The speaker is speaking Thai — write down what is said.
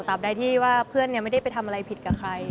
ใดที่ว่าเพื่อนไม่ได้ไปทำอะไรผิดกับใคร